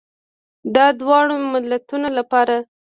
د دواړو ملتونو لپاره.